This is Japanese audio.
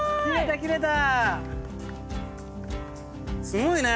すごいね。